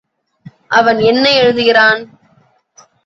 அவன் என்ன எழுதுகிறான்.